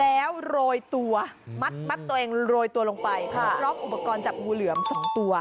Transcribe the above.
แล้วโรยตัวมัดตัวเองโรยตัวลงไปพร้อมอุปกรณ์จับงูเหลือม๒ตัว